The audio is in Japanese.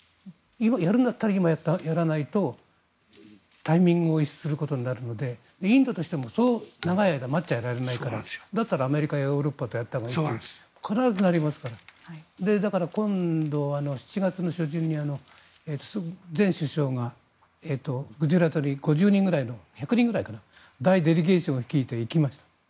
やるんだったら今やらないとタイミングを逸することになるのでインドとしても、そう長い間待っちゃいられないからだったらアメリカやヨーロッパとやったほうがいいと必ずなりますからだから今度、７月初旬に前首相が１００人くらいの大デリゲーションを率いて行きました。